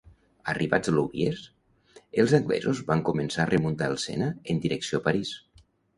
Arribats a Louviers, els anglesos van començar a remuntar el Sena en direcció a París.